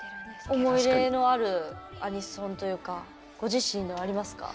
思い入れのあるアニソンというかご自身ではありますか？